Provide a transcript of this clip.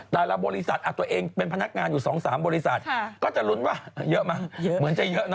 แต่ละบริษัทตัวเองเป็นพนักงานอยู่๒๓บริษัทก็จะลุ้นว่าเยอะไหมเหมือนจะเยอะนะ